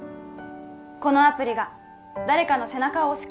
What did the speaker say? このアプリが誰かの背中を押す